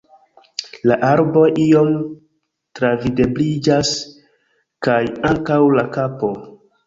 La arboj iom travidebliĝas, kaj ankaŭ la kapo…